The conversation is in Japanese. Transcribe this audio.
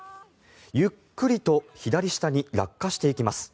ゆっくりと左下に落下していきます。